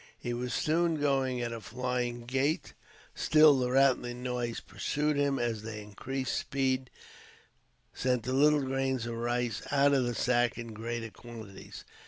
He was soon going at a flying gait; still, the rattling noise pursued him as the increased speed sent the little grains of rice out of the sack in greater quantities.